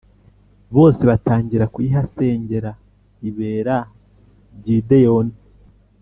bose batangira kuyihasengera ibera Gideyoni